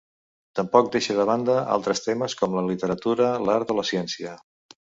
Tampoc deixa de banda altres temes com la literatura, l'art o la ciència.